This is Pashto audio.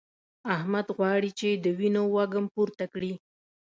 احمد غواړي چې د وينو وږم پورته کړي.